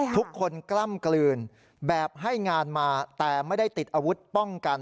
กล้ำกลืนแบบให้งานมาแต่ไม่ได้ติดอาวุธป้องกัน